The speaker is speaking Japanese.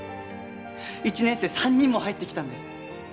１年生３人も入ってきたんです。